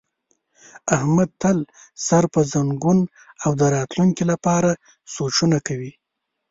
احمد تل سر په زنګون او د راتونکي لپاره سوچونه کوي.